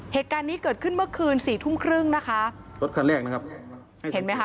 เหตุการณ์นี้เกิดขึ้นเมื่อคืนสี่ทุ่มครึ่งนะคะรถคันแรกนะครับเห็นไหมคะ